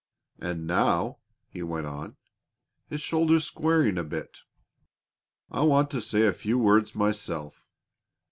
"And now," he went on, his shoulders squaring a bit, "I want to say a few words myself.